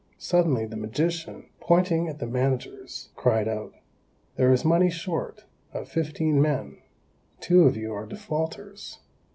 Suddenly, the magician, pointing at the managers, cried out, "There is money short; of fifteen men, two of you are defaulters."